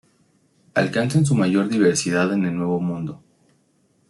Alcanzan su mayor diversidad en el Nuevo Mundo.